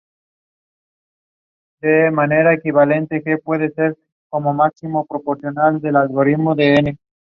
El agua del lavado debe tratarse posteriormente como residuo radiactivo.